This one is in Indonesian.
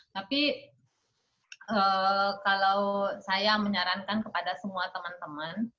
tapi kalau saya menyarankan kepada semua teman teman